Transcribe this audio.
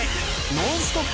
ノンストップ！